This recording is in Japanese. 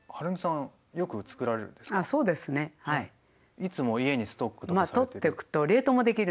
いつも家にストックとかされてる。